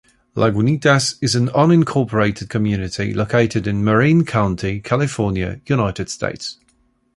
Lagunitas is an unincorporated community located in Marin County, California, United States.